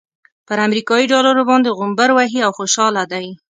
پر امريکايي ډالرو باندې غومبر وهي او خوشحاله دی.